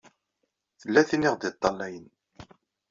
Tella tin i ɣ-d-iṭṭalayen.